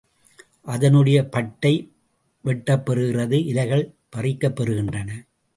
அதனுடைய பட்டை வெட்டப்பெறுகிறது இலைகள் பறிக்கப் பெறுகின்றன.